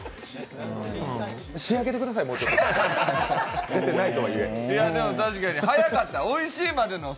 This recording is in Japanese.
仕上げてください、もうちょっと。